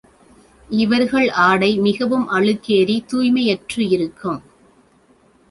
இவர்கள் ஆடை மிகவும் அழுக்கேறித் தூய்மையற்றிருக்கும்.